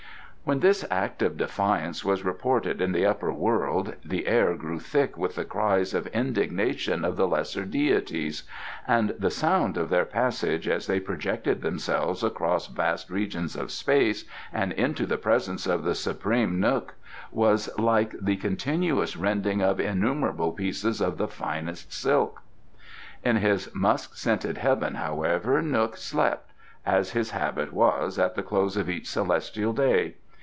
When this act of defiance was reported in the Upper World the air grew thick with the cries of indignation of the lesser deities, and the sound of their passage as they projected themselves across vast regions of space and into the presence of the supreme N'guk was like the continuous rending of innumerable pieces of the finest silk. In his musk scented heaven, however, N'guk slept, as his habit was at the close of each celestial day.